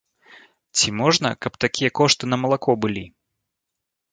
Ці можна, каб такія кошты на малако былі?